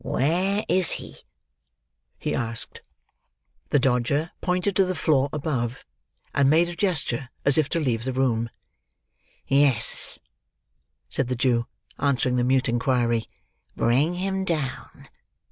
"Where is he?" he asked. The Dodger pointed to the floor above, and made a gesture, as if to leave the room. "Yes," said the Jew, answering the mute inquiry; "bring him down.